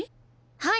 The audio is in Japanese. はい。